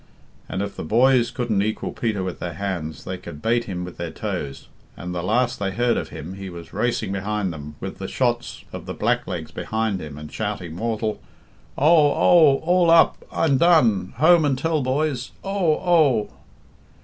And if the boys couldn't equal Peter with their hands, they could bate him with their toes, and the last they heard of him he was racing behind them with the shots of the blacklegs behind him, and shouting mortal, "Oh, oh! All up! I'm done! Home and tell, boys! Oh, oh."'"